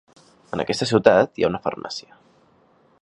En aquesta ciutat hi ha una farmàcia.